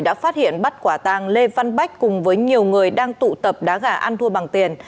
đã phát hiện bắt quả tàng lê văn bách cùng với nhiều người đang tụ tập đá gà ăn thua bằng tiền